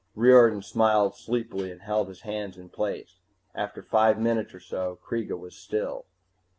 Riordan smiled sleepily and held his hands in place. After five minutes or so Kreega was still.